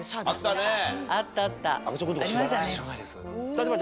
あったね。